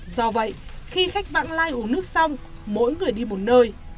do vậy khi khách vãng lai uống nước xong mỗi người đi một nơi